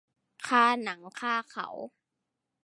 คาหนังคาเขา